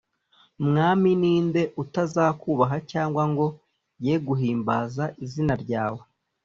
. Mwami ni nde utazakubaha cyangwa ngo ye guhimbaza Izina ryawe?